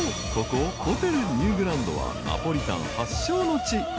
ここホテルニューグランドはナポリタン発祥の地］